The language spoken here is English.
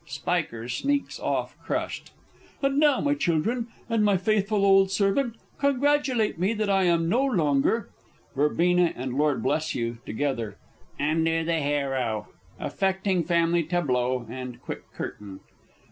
(SPIKER sneaks off crushed.) And now, my children, and my faithful old servant, congratulate me that I am no longer Verbena and Lord Bleshugh (together). Under the Harrow! [_Affecting Family Tableau and quick Curtain.